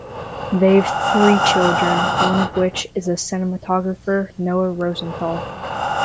They have three children, one of which is cinematographer Noah Rosenthal.